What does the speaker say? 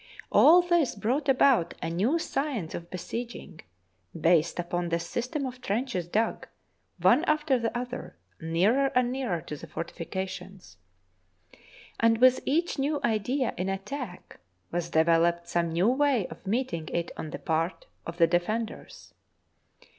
All this brought about a new science of besieging, based upon the system of trenches dug, one after the other, nearer and nearer to the fortifications. And with each new idea in at tack was developed some new way of meeting it on the part of the defenders.